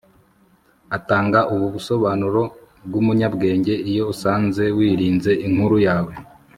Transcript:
atanga ubu busobanuro bwumunyabwenge iyo usanze wirinze inkuru yawe